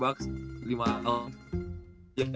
yang mana lu anjing